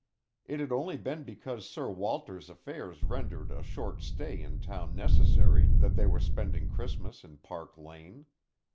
It had only been because Sir Walter's affairs rendered a short stay in town necessary, that they were spending Christmas in Park Lane.